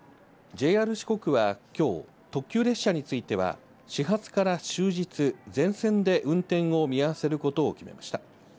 ＪＲ四国はきょう、特急列車については始発から終日全線で運転を見合わせることを決めました。